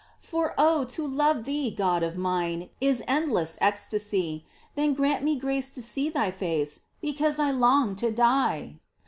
For oh, to love Thee, God of mine, Is endless ecstasy ! Then grant me grace to see Thy face. Because I long to die